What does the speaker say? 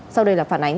sau đây là phản ánh